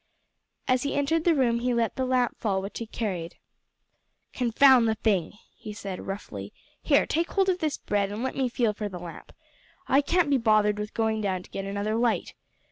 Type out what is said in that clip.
As he entered the room he let the lamp fall which he carried. "Confound the thing!" he said roughly. "Here, take hold of this bread, and let me feel for the lamp. I can't be bothered with going down to get another light.